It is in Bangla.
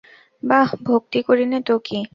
বাঃ, ভক্তি করি নে তো কী!